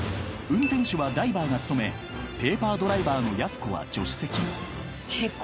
［運転手はダイバーが務めペーパードライバーのやす子は助手席］